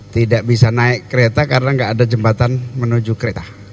tidak bisa naik kereta karena tidak ada jembatan menuju kereta